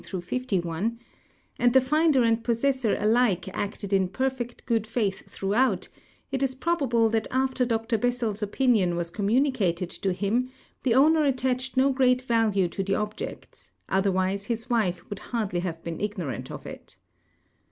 51 j and the finder and possessor alike acted in ]»erfect good faith throughout, it is probable that after Dr Bes sels' opinion was communicated to him. the owner attached no great value to the oljects, otherwise his wife could hardly have been ignoi ant of it.